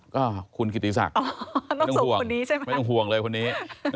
ก็คุณกิติศักดิ์ไม่ต้องห่วงเลยคนนี้